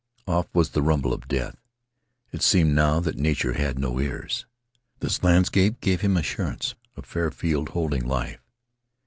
Off was the rumble of death. It seemed now that Nature had no ears. This landscape gave him assurance. A fair field holding life.